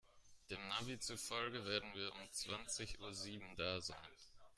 Dem Navi zufolge werden wir um zwanzig Uhr sieben da sein.